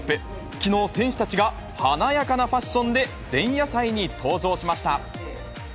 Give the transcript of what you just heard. きのう、選手たちが華やかなファッションで前夜祭に登場しました。